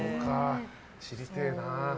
知りてえなあ。